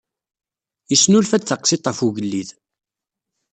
Yesnulfa-d taqsiṭ ɣef ugellid.